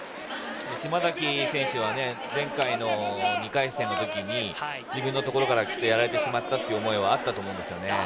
島崎選手は前回の２回戦の時に自分のところからやられてしまったっていう思いはあったと思うんですよね。